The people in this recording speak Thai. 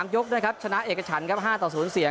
ยกนะครับชนะเอกฉันครับ๕ต่อ๐เสียง